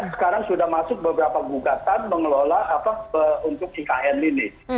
sekarang sudah masuk beberapa gugatan mengelola untuk ikn ini